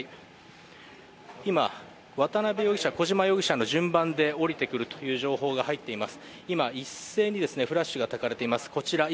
今、渡辺容疑者、小島容疑者の順番で降りてくるという情報が入りました。